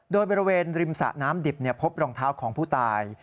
โดยบริเวณริมสะน้ำดิบพบรองเท้าของผู้ตาย